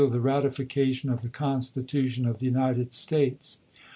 the ratification of the Constitution of the United States."